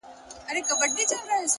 قدم کرار اخله زړه هم لکه ښيښه ماتېږي!